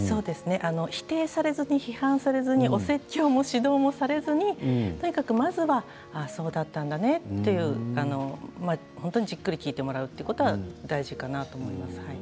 否定されずに批判されずに、お説教も指導もされずにまずは、ああそうだったんだねってじっくり聞いてもらうことは大事だと思います。